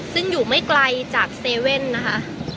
ซึ่งอยู่ไม่ไกลจากเซเว่นนะคะ